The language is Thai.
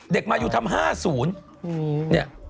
เด็กอายุทำ๕๐